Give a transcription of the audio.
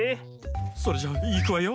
それじゃいくわよ。